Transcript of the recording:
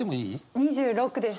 ２６です。